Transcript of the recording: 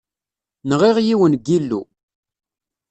Nɣiɣ yiwen n yillu.